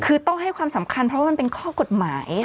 คือต้องให้ความสำคัญเพราะว่ามันเป็นข้อกฎหมาย